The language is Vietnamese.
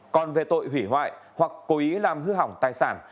còn về tội hủy hoại hoặc cố ý làm hư hỏng tài sản